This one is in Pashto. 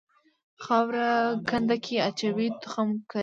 خاوره کنده کې اچوي تخم کري.